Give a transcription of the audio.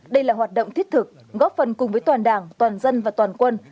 đây là hoạt động thiết thực góp phần cùng với toàn đảng toàn dân và toàn quân